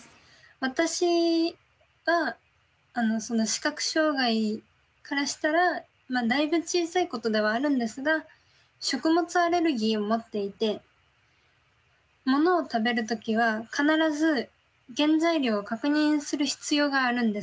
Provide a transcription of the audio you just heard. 私はその視覚障害からしたらだいぶ小さいことではあるんですが食物アレルギーをもっていて物を食べる時は必ず原材料を確認する必要があるんです。